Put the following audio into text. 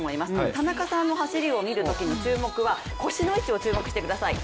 田中さんの走りを見るときに腰の位置に注目してください。